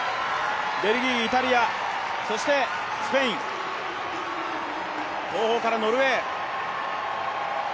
ベルギー、イタリア、そしてスペイン、後方からノルウェー。